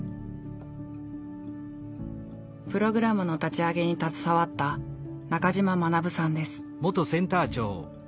プログラムの立ち上げに携わった中島学さんです。